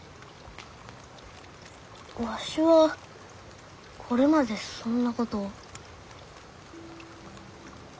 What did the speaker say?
わしはこれまでそんなこと。